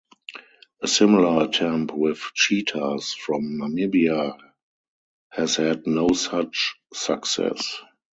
A similar attempt with cheetahs from Namibia has had no such success.